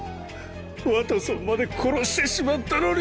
ワトソンまで殺してしまったのに。